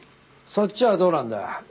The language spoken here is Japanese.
そっちはどうなんだ？